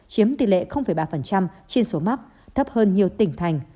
chiếm tỷ lệ ba trên số mắc thấp hơn nhiều tỉnh thành